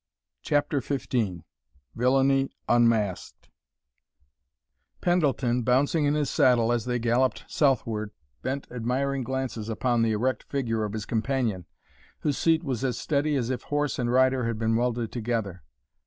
CHAPTER XV VILLAINY UNMASKED Pendleton, bouncing in his saddle as they galloped southward, bent admiring glances upon the erect figure of his companion, whose seat was as steady as if horse and rider had been welded together.